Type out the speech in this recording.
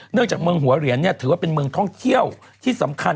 จากเมืองหัวเหรียญถือว่าเป็นเมืองท่องเที่ยวที่สำคัญ